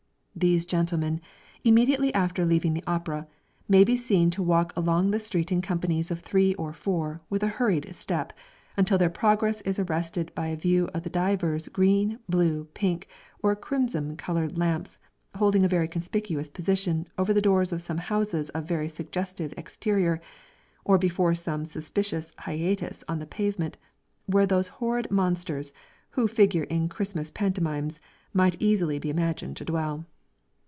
These gentlemen, immediately after leaving the opera, may be seen to walk along the street in companies of three or four, with a hurried step, until their progress is arrested by the view of divers green, blue, pink, or crimson coloured lamps, holding a very conspicuous position over the doors of some houses of very suggestive exterior, or before some suspicious hiatuses in the pavement, where those horrid monsters, who figure in Christmas pantomimes, might easily be imagined to dwell.